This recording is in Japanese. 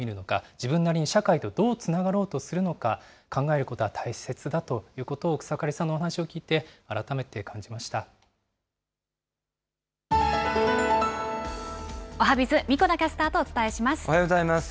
自分なりに社会とどうつながろうとするのか、考えることは大切だということを草刈さんのお話を聞おはＢｉｚ、神子田キャスタおはようございます。